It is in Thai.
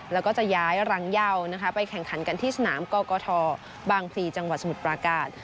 แล้วก็จะย้ายรังเยาไปแข่งขันกันที่สนามกกทบางพลีจังหวัดสมุทรปราการ